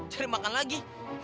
seri makan lagi